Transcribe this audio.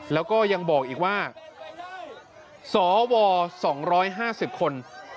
แล้วก็ยังบอกอีกว่าสว๒๕๐คน